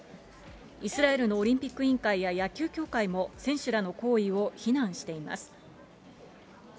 イスラエルのオリンピック委員会や野球協会も、選手らの行為を非難しています。